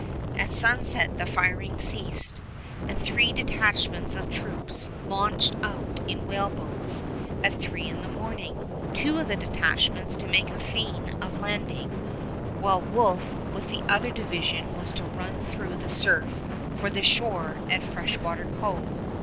At sunset the firing ceased, and three detachments of troops launched out in whaleboats at three in the morning, two of the detachments to make a feint of landing, while Wolfe with the other division was to run through the surf for the shore at Freshwater Cove.